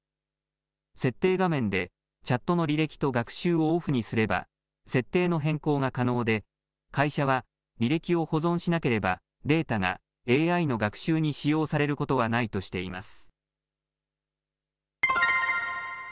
設定画面でチャットの履歴と学習をオフにすれば設定の変更が可能で会社は履歴を保存しなければデータがＡＩの学習に使用されることはないとしています。